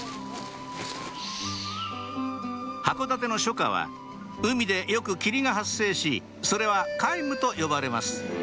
函館の初夏は海でよく霧が発生しそれは海霧と呼ばれます